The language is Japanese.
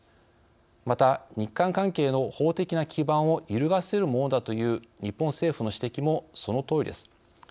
また、日韓関係の法的な基盤を揺るがせるものだという日本政府の指摘もそのとおりです。